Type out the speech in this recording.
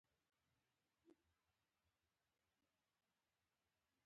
په هغو کلونو کې یې زیاتې مالي مرستې ترلاسه کولې.